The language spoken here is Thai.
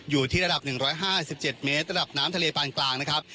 อยู่ที่ระดับ๑๕๗เมตรระดับน้ำทะเลปานกลางนะครับ